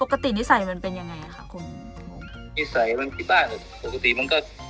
นิสัยมันเป็นยังไงอ่ะค่ะคุณนิสัยมันที่บ้านแบบปกติมันก็